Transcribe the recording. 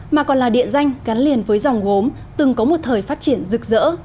mà còn là địa danh gắn liền với dòng gốm từng có một thời phát triển rực rỡ